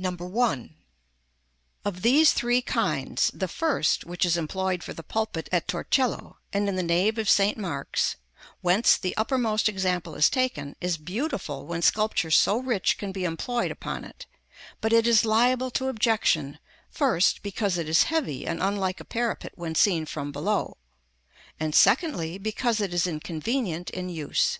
§ XVII. (1.) Of these three kinds, the first, which is employed for the pulpit at Torcello and in the nave of St. Mark's, whence the uppermost example is taken, is beautiful when sculpture so rich can be employed upon it; but it is liable to objection, first, because it is heavy and unlike a parapet when seen from below; and, secondly, because it is inconvenient in use.